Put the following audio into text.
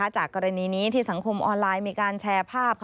จากกรณีนี้ที่สังคมออนไลน์มีการแชร์ภาพ